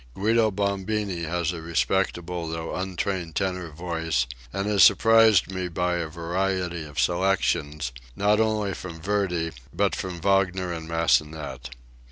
Guido Bombini has a respectable though untrained tenor voice, and has surprised me by a variety of selections, not only from Verdi, but from Wagner and Massenet.